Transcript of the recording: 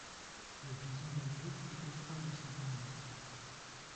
Le bison d'Amérique était un de ces animaux.